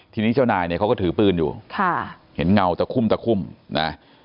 ทีนี้เจ้านายเนี่ยเขาก็ถือปืนอยู่ค่ะเห็นเงาตะคุ่มตะคุ่มนะ